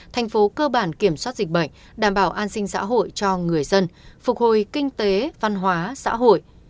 thành phố cơ bản kiểm soát dịch bệnh đảm bảo an sinh xã hội cho người dân phục hồi kinh tế văn hóa xã hội